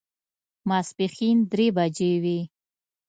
ماسپښین درې بجې وې.